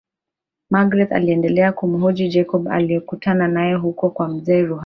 Magreth aliendelea kumuhoji Jacob alokutana nayo huko kwa mzee ruhala